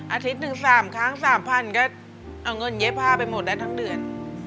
อาทิตย์หนึ่ง๓ครั้ง๓๐๐ก็เอาเงินเย็บผ้าไปหมดได้ทั้งเดือน